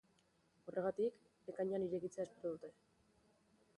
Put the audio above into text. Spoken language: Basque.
Horregatik, ekainean irekitzea espero dute.